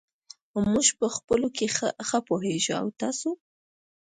موږ په خپلو کې ښه پوهېږو. او تاسو !؟